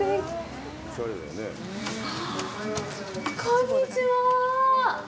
こんにちは。